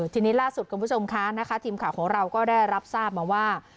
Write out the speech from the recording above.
ทีนี้ล่าสุดคุณผู้ชมคะทีมข่าวของเราก็ได้รับทราบมาว่า